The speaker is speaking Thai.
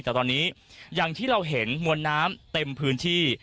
แต่ตอนนี้อย่างที่เราเห็นมวลน้ำเต็มพื้นที่